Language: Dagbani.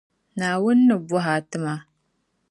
Naawuni ni bɔha tima.